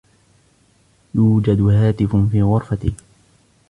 يوجد هاتف في غرفتي.